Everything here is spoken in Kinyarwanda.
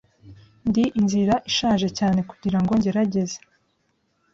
Ndi inzira ishaje cyane kugirango ngerageze